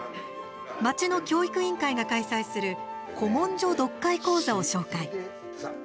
町の教育委員会が開催する古文書読解講座を紹介。